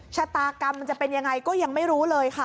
ชะตากรรมมันจะเป็นยังไงก็ยังไม่รู้เลยค่ะ